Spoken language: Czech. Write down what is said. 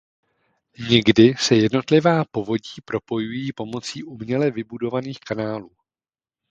Někdy se jednotlivá povodí propojují pomocí uměle vybudovaných kanálů.